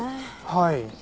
はい。